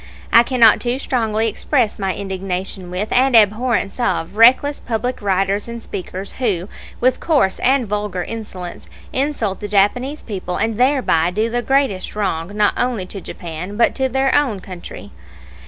I cannot too strongly express my indignation with, and abhorrence of, reckless public writers and speakers who, with coarse and vulgar insolence, insult the Japanese people and thereby do the greatest wrong not only to Japan but to their own country.